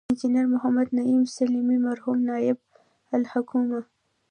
انجنیر محمد نعیم سلیمي، مرحوم نایب الحکومه